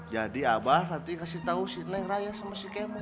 jadi abah nanti kasih tahu si neng raya sama si kemot